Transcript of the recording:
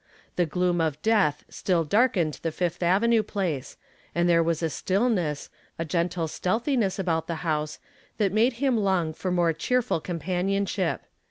The gloom of death still darkened the Fifth Avenue place, and there was a stillness, a gentle stealthiness about the house that made him long for more cheerful companionship.